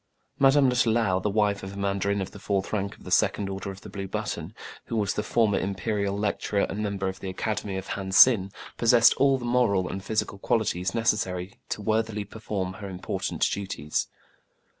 Madame Lutalou, the wife of a mandarin of the fourth rank of the second order of the blue button, who was the former imperial lecturer and member of the Acad emy of Han Sin, possessed all the moral and physical qualities necessary to worthily perform her important duties.